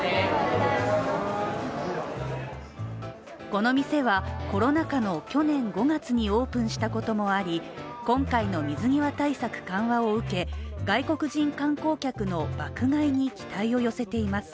この店は、コロナ禍の去年５月にオープンしたこともあり今回の水際対策緩和を受け、外国人観光客の爆買いに期待を寄せています。